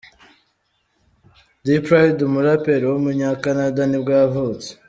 D-Pryde, umuraperi w’umunyakanada nibwo yavutse.